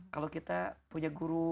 kalau kita punya guru